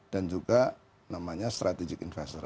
dan juga namanya strategic investor